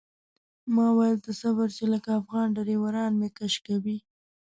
ما ویل ته صبر چې لکه افغان ډریوران مې کش کوي.